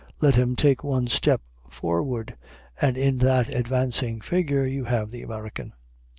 Let him take one step forward, and in that advancing figure you have the American.